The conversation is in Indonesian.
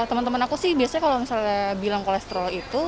teman teman aku sih biasanya kalau misalnya bilang kolesterol itu